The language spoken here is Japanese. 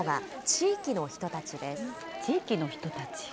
地域の人たち？